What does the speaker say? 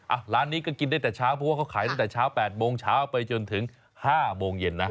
ร้านนี้ก็กินได้แต่เช้าเพราะว่าเขาขายตั้งแต่เช้า๘โมงเช้าไปจนถึง๕โมงเย็นนะ